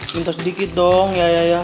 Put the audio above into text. minta sedikit dong ya ya ya